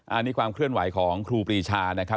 อันนี้ความเคลื่อนไหวของครูปรีชานะครับ